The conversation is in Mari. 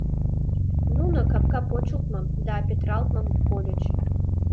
Нуно капка почылтмым да петыралтмым кольыч.